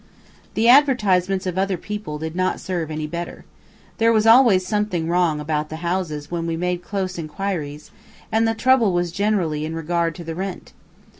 The advertisements of other people did not serve any better. There was always something wrong about the houses when we made close inquiries, and the trouble was generally in regard to the rent.